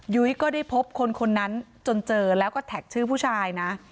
ยุ้ยก็ได้พบคนคนนั้นจนเจอแล้วก็แท็กชื่อผู้ชายนะ